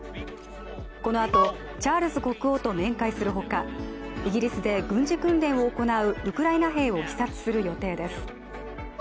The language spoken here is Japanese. このあとチャールズ国王と面会するほかイギリスで軍事訓練を行うウクライナ兵を視察する予定です。